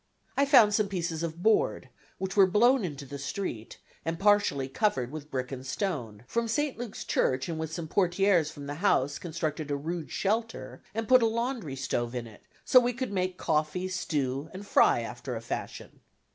I found some pieces of board which were blown into the street and partially covered with brick and stone, from St. Luke's Church and with some portieres from the house constructed a rude shelter, and put a laundry stove in it, so we could make coffee, stew, and fry after a fashion.